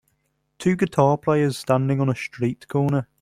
Two guitar players standing on a street corner.